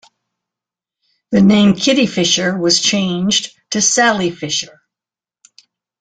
The name "Kitty Fisher was changed to "Sally Fisher".